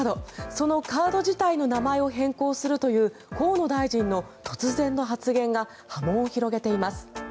そのカード自体の名前を変更するという、河野大臣の突然の発言が波紋を広げています。